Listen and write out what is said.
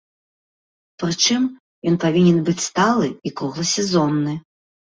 Прычым, ён павінен быць сталы і кругласезонны.